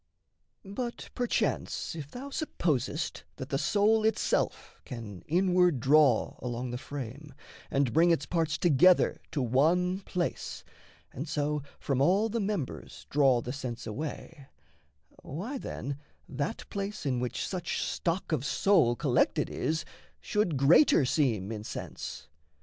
But perchance If thou supposest that the soul itself Can inward draw along the frame, and bring Its parts together to one place, and so From all the members draw the sense away, Why, then, that place in which such stock of soul Collected is, should greater seem in sense.